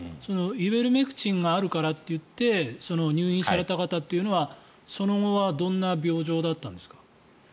イベルメクチンがあるからといって入院された方というのはその後はどんな病状だったんですか？